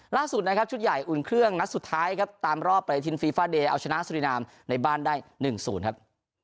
ล่าสุดนะครับชุดใหญ่อุ่นเครื่องนัดสุดท้ายครับตามรอบปฏิทินฟีฟาเดย์เอาชนะสุรินามในบ้านได้๑๐ครับ